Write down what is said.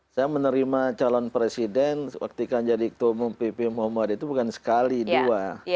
saya menerima calon presiden waktu kan jadi ketua umum pp muhammad itu bukan sekali dua